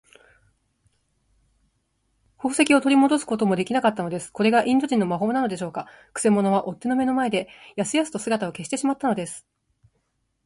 宝石をとりもどすこともできなかったのです。これがインド人の魔法なのでしょうか。くせ者は追っ手の目の前で、やすやすと姿を消してしまったのです。